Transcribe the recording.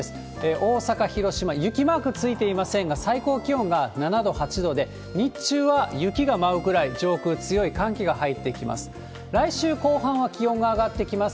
大阪、広島、雪マークついていませんが、最高気温が７度、８度で、日中は雪が舞うくらい、上空、強い寒気が入ってきます。